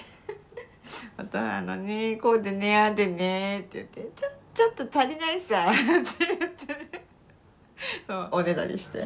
「おとんあのねこうでねああでね」って言って「ちょっと足りないさ」って言ってねおねだりして。